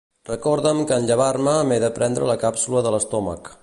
Recorda'm que en llevar-me m'he de prendre la càpsula de l'estómac.